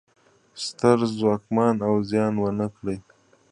ستر ځمکوال زیان ونه کړي.